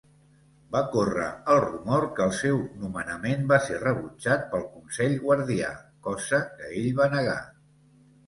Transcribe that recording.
Va córrer el rumor que el seu nomenament va ser rebutjat pel Consell Guardià, cosa que ell va negar.